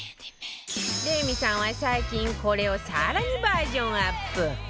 レミさんは最近これを更にバージョンアップ